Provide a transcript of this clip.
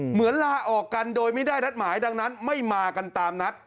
ลาออกกันโดยไม่ได้นัดหมายดังนั้นไม่มากันตามนัด